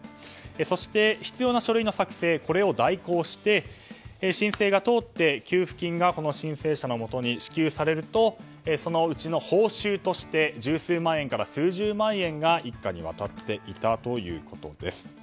そして必要な書類の作成を代行して申請が通って、給付金が申請者のもとに支給されるとそのうちの報酬として十数万円から数十万円が一家に渡っていたということです。